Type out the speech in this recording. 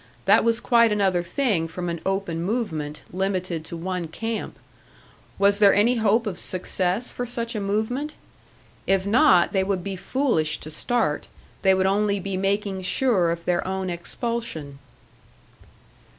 That was quite another thing from an open movement, limited to one camp. Was there any hope of success for such a movement? If not, they would be foolish to start, they would only be making sure of their own expulsion.